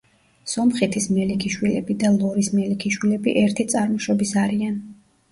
სომხითის მელიქიშვილები და ლორის მელიქიშვილები ერთი წარმოშობის არიან.